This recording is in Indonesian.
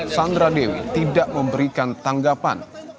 sandra dewi tidak memberikan tanggapan